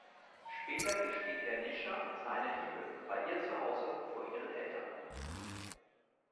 Später gesteht er Nisha seine Liebe, bei ihr zuhause vor ihren Eltern.